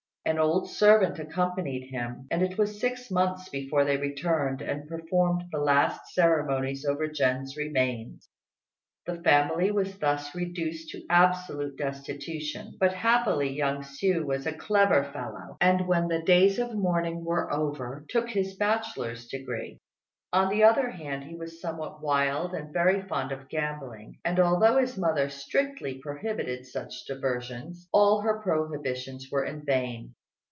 An old servant accompanied him, and it was six months before they returned and performed the last ceremonies over Jen's remains. The family was thus reduced to absolute destitution; but happily young Hsiu was a clever fellow, and when the days of mourning were over, took his bachelor's degree. On the other hand, he was somewhat wild and very fond of gambling; and although his mother strictly prohibited such diversions, all her prohibitions were in vain.